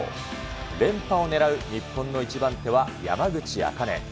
連覇を狙う日本の１番手は山口茜。